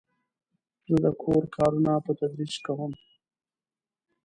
زه د کور کارونه په تدریج کوم.